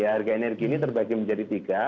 harga energi ini terbagi menjadi tiga